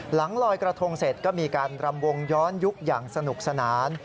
ลอยกระทงเสร็จก็มีการรำวงย้อนยุคอย่างสนุกสนาน